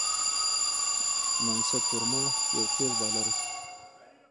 بسنت ورما یو تېز بالر وو.